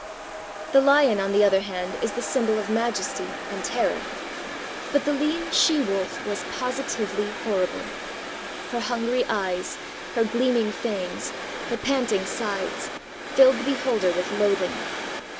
The lion, on the other hand, is the symbol of majesty and terror. But the lean she wolf was positively horrible. Her hungry eyes, her gleaming fangs, her panting sides, filled the beholder with loathing.